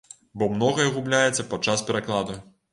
Бо многае губляецца падчас перакладу.